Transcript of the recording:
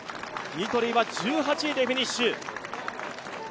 ニトリは１８位でフィニッシュ。